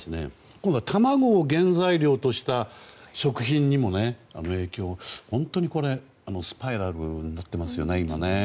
今度は卵を原材料とした食品にも影響が、本当にスパイラルになっていますよね、今ね。